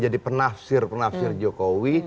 jadi penafsir penafsir jokowi